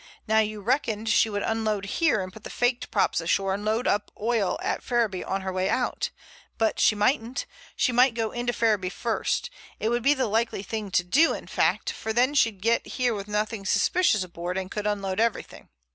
Now you reckoned she would unload here and put the faked props ashore and load up oil at Ferriby on her way out. But she mightn't. She might go into Ferriby first. It would be the likely thing to do, in fact, for then she'd get here with nothing suspicious aboard and could unload everything.